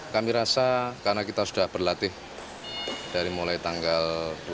kami rasa karena kita sudah berlatih dari mulai tanggal dua puluh